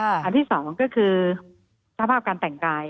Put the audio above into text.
สาเหตุการณ์ที่สองก็คือสภาพการแต่งกาย